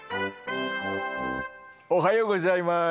おはようございます。